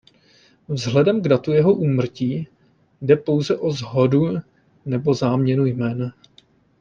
Vzhledem k datu jeho úmrtí jde pouze o shodu nebo záměnu jmen.